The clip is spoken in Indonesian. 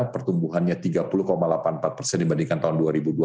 pertumbuhannya tiga puluh delapan puluh empat persen dibandingkan tahun dua ribu dua puluh